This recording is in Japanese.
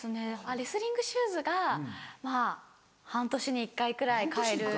レスリングシューズがまぁ半年に１回くらい替える。